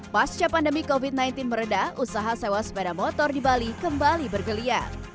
pasca pandemi covid sembilan belas meredah usaha sewa sepeda motor di bali kembali bergeliat